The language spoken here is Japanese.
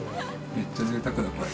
めっちゃぜいたくだ、これ。